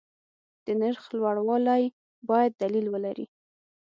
د نرخ لوړوالی باید دلیل ولري.